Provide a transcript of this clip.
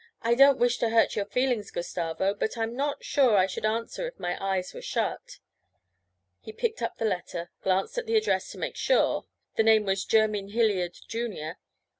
'I don't wish to hurt your feelings, Gustavo, but I'm not sure I should answer if my eyes were shut.' He picked up the letter, glanced at the address to make sure the name was Jerymn Hilliard, Jr.